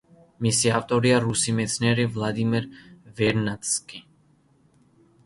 მისი ავტორია რუსი მეცნიერი ვლადიმერ ვერნადსკი.